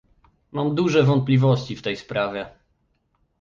Mam duże wątpliwości w tej sprawie